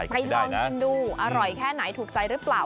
ลองกินดูอร่อยแค่ไหนถูกใจหรือเปล่า